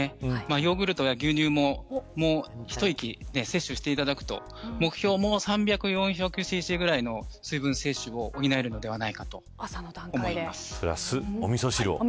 ヨーグルトや牛乳ももう一息、摂取していただくと目標をもう３００、４００ＣＣぐらいの水分摂取を補えるのではないかと思います。